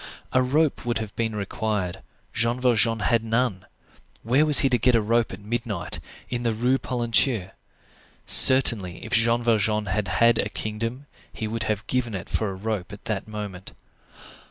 A rope would have been required; Jean Valjean had none. Where was he to get a rope at midnight, in the Rue Polonceau? Certainly, if Jean Valjean had had a kingdom, he would have given it for a rope at that moment.